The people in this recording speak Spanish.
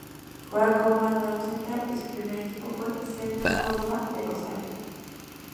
Juega como marcador central y su primer equipo fue Central Córdoba de Rosario.